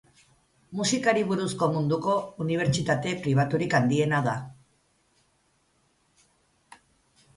Musikari buruzko munduko unibertsitate pribaturik handiena da.